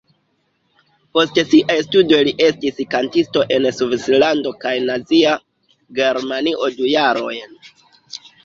Post siaj studoj li estis kantisto en Svislando kaj Nazia Germanio du jarojn.